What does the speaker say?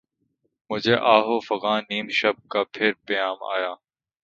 مجھے آہ و فغان نیم شب کا پھر پیام آیا